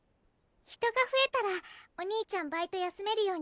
人が増えたらお兄ちゃんバイト休めるようになるの？